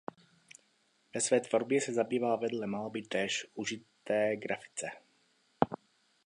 Ve své tvorbě se zabýval vedle malby též užité grafice.